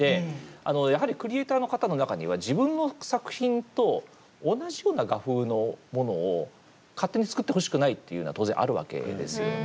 やはりクリエーターの方の中には自分の作品と同じような画風のものを勝手に作ってほしくないというのは当然あるわけですよね。